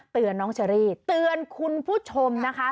เตือนน้องเชอรี่เตือนคุณผู้ชมนะคะ